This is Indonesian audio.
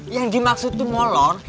yang dimaksud tuh molor